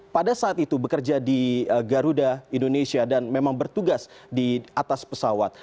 pada saat itu bekerja di garuda indonesia dan memang bertugas di atas pesawat